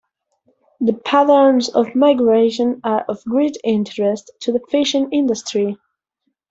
The patterns of migration are of great interest to the fishing industry.